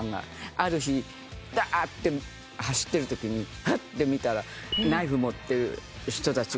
ある日ダーッて走ってる時にハッて見たらナイフ持ってる人たちがいるのよ。